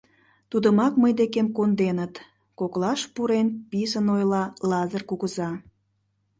Тудымак мый декем конденыт, — коклаш пурен, писын ойла Лазыр кугыза.